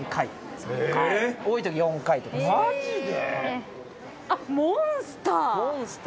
マジで？